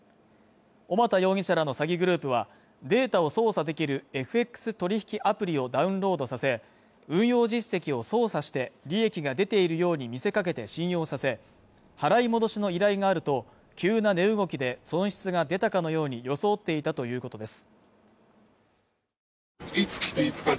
小俣容疑者の詐欺グループは、データを操作できるＦＸ取引アプリをダウンロードさせ運用実績を操作して、利益が出ているように見せかけて信用させ、払い戻しの依頼があると急な値動きで損失が出たかのように装っていたということです。